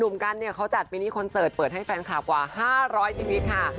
กันเนี่ยเขาจัดมินิคอนเสิร์ตเปิดให้แฟนคลับกว่า๕๐๐ชีวิตค่ะ